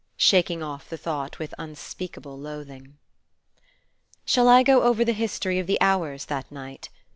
shaking off the thought with unspeakable loathing. Shall I go over the history of the hours of that night?